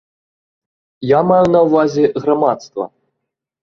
Я маю на ўвазе грамадства.